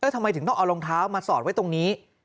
ทำไมถึงต้องเอารองเท้ามาสอดไว้ตรงนี้